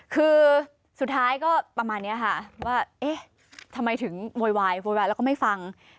คือสุดท้ายก็ประมาณนี้ค่ะว่าเอ๊ะทำไมถึงโวยวายโวยวายแล้วก็ไม่ฟัง